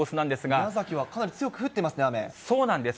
宮崎はかなり強く降ってますそうなんです。